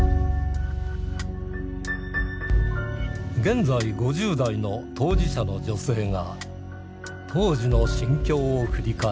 現在５０代の当事者の女性が当時の心境を振り返る。